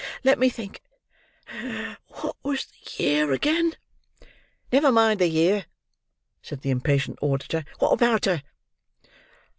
Let me think—what was the year again!" "Never mind the year," said the impatient auditor; "what about her?"